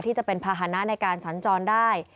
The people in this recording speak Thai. จะเป็นภาษณะในการสัญจรได้